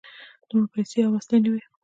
دومره پیسې او وسلې نه وې.